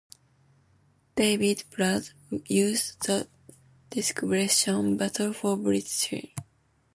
David Braid used the description "Battle for Britain"